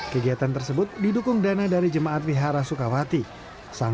kegiatan tersebut didukung dana dari jemaat vihara sukawati sanggar suci lawang